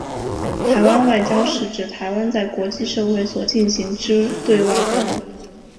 台湾外交是指台湾在国际社会所进行之对外活动。